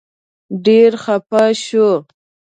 ډېر خپه شو.